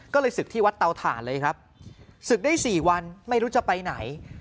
ก็เลยศึกที่วัดเตาถ่านเลยครับศึกได้๔วันไม่รู้จะไปไหน